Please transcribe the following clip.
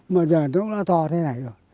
mà giờ nó to thế này rồi